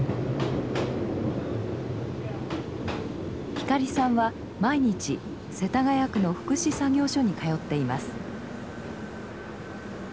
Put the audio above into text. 光さんは毎日世田谷区の福祉作業所に通っています。